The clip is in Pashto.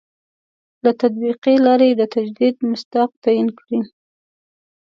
له تطبیقي لاري د تجدید مصداق تعین کړي.